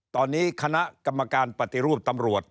ตอนนี้คณะกรรมการปฏิรูปตำรวจ